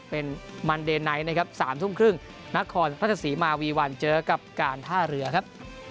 เป็นมันเดนไนท์นะครับ๓ทุ่มครึ่งนครราชสีมาวีวันเจอกับการท่าเรือครับ